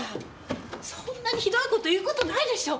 そんなにひどい事言う事ないでしょう！